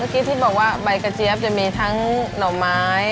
ที่บอกว่าใบกระเจี๊ยบจะมีทั้งหน่อไม้